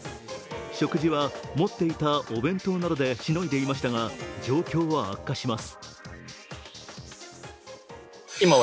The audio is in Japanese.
食事は、持っていたお弁当などでしのいでいましたが状況は悪化します。